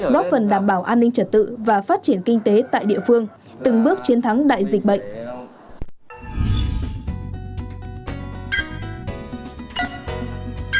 góp phần đảm bảo an ninh trật tự và phát triển kinh tế tại địa phương từng bước chiến thắng đại dịch bệnh